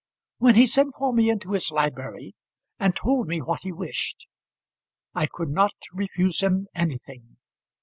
When he sent for me into his library and told me what he wished, I could not refuse him anything.